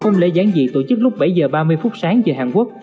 công lễ gián dị tổ chức lúc bảy h ba mươi phút sáng về hàn quốc